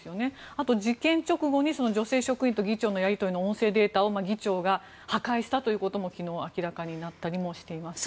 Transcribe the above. あと、事件直後に女性職員と議長のやり取りの音声データを議長が破壊したということも昨日明らかになったりもしていますね。